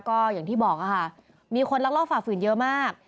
ก็อย่างที่บอกค่ะมีคนลักลอบฝ่าฝืนเยอะมาก